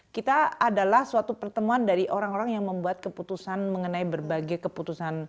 kita adalah suatu pertemuan dari orang orang yang membuat keputusan mengenai berbagai keputusan